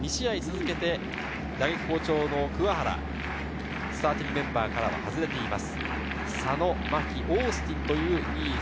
２試合続けて、打撃好調の桑原、スターティングメンバーから外れています。